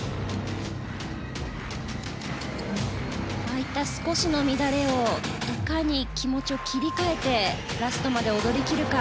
ああいった少しの乱れをいかに気持ちを切り替えてラストまで踊り切るか。